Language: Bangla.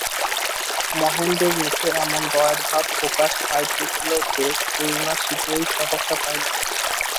মহেন্দ্রের মুখে এমন দয়ার ভাব প্রকাশ পাইতেছিল যে, করুণা শীঘ্রই সাহস পাইল।